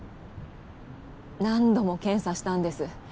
何度も検査したんです